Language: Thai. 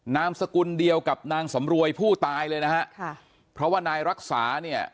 นามสกุลเดียวกับนางสำรวยผู้ตายเลยนะฮะค่ะเพราะว่านายรักษาเนี่ย